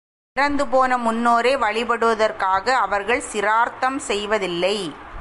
இறந்துபோன முன்னோரை வழிபடுவதற்காக அவர்கள் சிரார்த்தம் செய்வதில்லை.